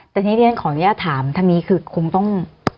แต่ทีนี้ของย่างถามทางนี้คงต้อง